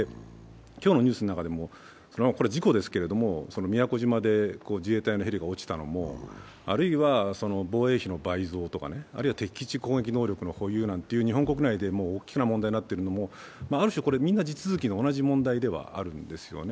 今日のニュースの中でも、これは事故ですけれども、宮古島で自衛隊のヘリが落ちたのもあるいは防衛費の倍増とか敵基地攻撃能力の保有、日本国内で大きな問題となっているものをある種みんな地続きの同じ問題ではあるんですよね。